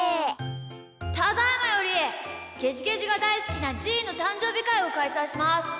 ただいまよりゲジゲジがだいすきなじーのたんじょうびかいをかいさいします。